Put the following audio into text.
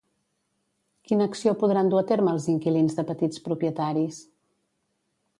Quina acció podran dur a terme els inquilins de petits propietaris?